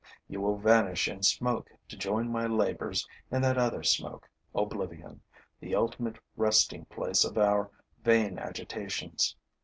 You will vanish in smoke to join my labors in that other smoke, oblivion, the ultimate resting place of our vain agitations.